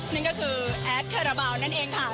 นั่นก็คือแอดคาราบาลนั่นเองค่ะ